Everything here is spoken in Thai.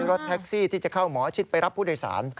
รถแท็กซี่ที่จะเข้าหมอชิดไปรับผู้โดยสาร